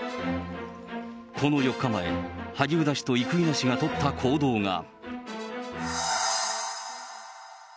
この４日前、萩生田氏と生稲氏が取った行動が。